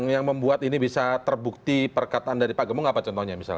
yang membuat ini bisa terbukti perkataan dari pak gemung apa contohnya misalnya